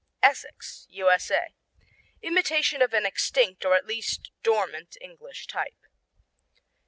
Essex U.S.A. Imitation of an extinct or at least dormant English type.